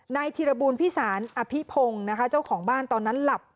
ธิรบูลพิสารอภิพงศ์นะคะเจ้าของบ้านตอนนั้นหลับ